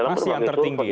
masih yang tertinggi ya